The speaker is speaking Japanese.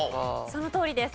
そのとおりです。